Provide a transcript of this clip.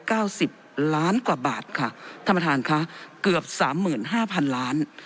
เก้าสิบล้านกว่าบาทค่ะท่านประธานค่ะเกือบสามหมื่นห้าพันล้าน